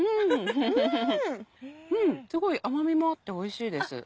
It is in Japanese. うんすごい甘みもあっておいしいです。